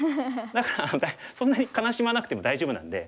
だからそんなに悲しまなくても大丈夫なんで。